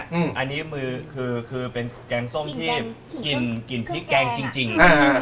อันนี้มันคือเป็นแกงส้มที่กลิ่นที่แกงจริง